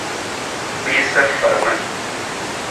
Miisa falaman.